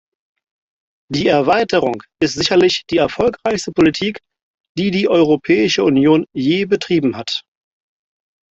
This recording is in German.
Die Erweiterung ist sicherlich die erfolgreichste Politik, die die Europäische Union je betrieben hat.